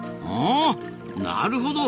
あなるほど。